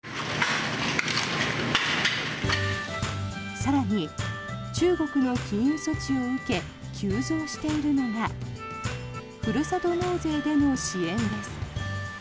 更に、中国の禁輸措置を受け急増しているのがふるさと納税での支援です。